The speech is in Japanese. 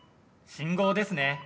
信号ですね。